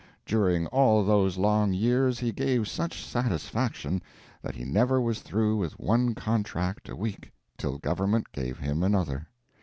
During all those long years he gave such satisfaction that he never was through with one contract a week till government gave him another.